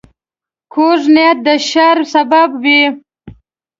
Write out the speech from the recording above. کوږ نیت د شر سبب وي